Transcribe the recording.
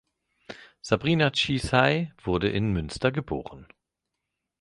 Sabrina Ceesay wurde in Münster geboren.